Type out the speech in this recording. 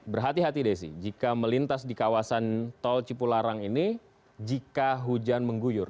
berhati hati desi jika melintas di kawasan tol cipularang ini jika hujan mengguyur